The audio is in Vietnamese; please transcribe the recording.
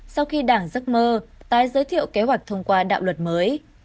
sau khi đảng giấc mơ tái giới thiệu kế hoạch thông qua đạo luật mới